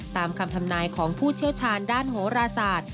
ตามคำทำนายของผู้เชี่ยวชาญด้านโหราศาสตร์